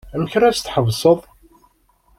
Amek ara tt-tḥebseḍ?